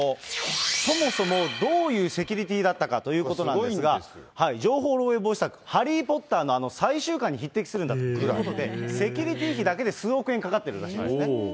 そもそもどういうセキュリティーだったのかということなんですが、情報漏えい防止策、ハリー・ポッターのあの最終巻に匹敵するんだということで、セキュリティー費だけで３億円かかってるそうですね。